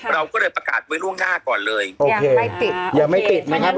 เราก็เลยประกาศไว้ล่วงหน้าก่อนเลยอ๋อโอเคอย่างไม่ติดเลยไงครับ